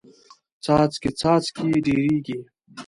څاڅکې څاڅکې ډېریږي.